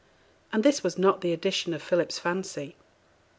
And this was not the addition of Philip's fancy.